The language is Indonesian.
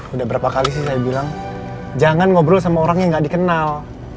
udah berapa kali sih saya bilang jangan ngobrol sama orang yang gak dikenal